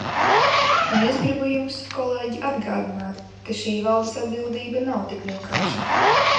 Un es gribu jums, kolēģi, atgādināt, ka šī valdes atbildība nav tik vienkārša.